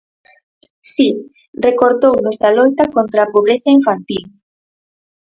Si, recortounos da loita contra a pobreza infantil.